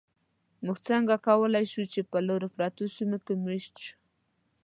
موږ څنګه وکولی شول، چې په لرو پرتو سیمو کې مېشت شو؟